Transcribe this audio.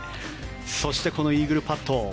そしてこのイーグルパット。